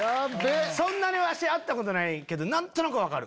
そんなに会ったことないけど何となく分かる。